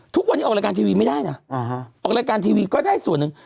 ทุกวันนี้ออกรายการทีวีไม่ได้นะออกรายการทีวีก็ได้ส่วนหนึ่ง